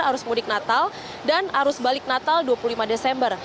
arus mudik natal dan arus balik natal dua puluh lima desember